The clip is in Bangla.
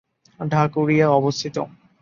ঢাকুরিয়া অবস্থিত।